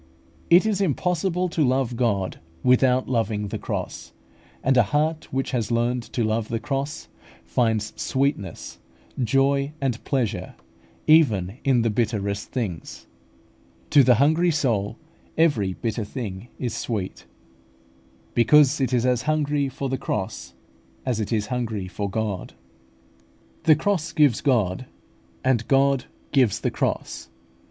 24). It is impossible to love God without loving the cross; and a heart which has learned to love the cross finds sweetness, joy, and pleasure even in the bitterest things. "To the hungry soul every bitter thing is sweet" (Prov. xxvii. 7), because it is as hungry for the cross as it is hungry for God. The cross gives God, and God gives the cross.